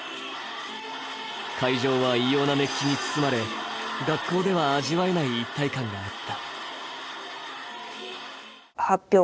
会場は異様な熱気に包まれ、学校では味わえない一体感があった。